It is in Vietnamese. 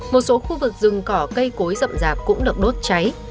một số khu vực rừng cỏ cây cối rậm rạp cũng được đốt cháy